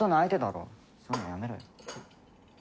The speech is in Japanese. そういうのやめろよ。